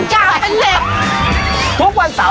หัวขาเป็นเหล็กหัวขาเป็นเหล็ก